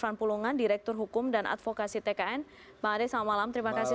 waalaikumsalam warahmatullahi wabarakatuh